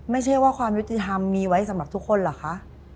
ไม่ใช่ว่าความยุติธรรมมีไว้สำหรับทุกคนเหรอคะ